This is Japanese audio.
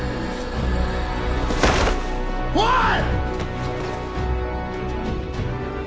おい！！